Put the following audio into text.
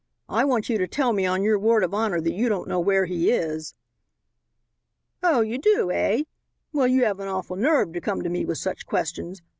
"I want you to tell me on your word of honor that you don't know where he is." "Oh, you do, eh? Well, you have an awful nerve to come to me with such questions.